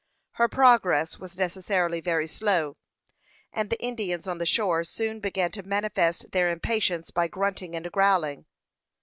Her progress was necessarily very slow, and the Indians on the shore soon began to manifest their impatience by grunting and growling.